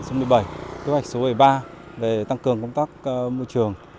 tư vạch số bảy mươi ba để tăng cường công tác môi trường